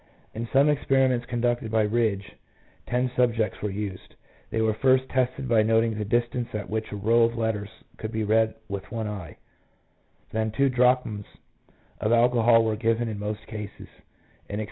In some experiments conducted by Ridge, 5 ten subjects were used. They were first tested by noting the distance at which a row of letters could be read with one eye; then two drachms of alcohol were given in most cases, and experiments made on 1 N.